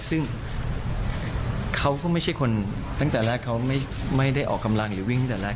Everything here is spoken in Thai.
ซึ่งเขาก็ไม่ได้ออกกำลังหรือวิ่งตั้งแต่แรก